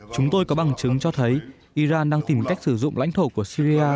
chúng tôi có bằng chứng cho thấy iran đang tìm cách sử dụng lãnh thổ của syria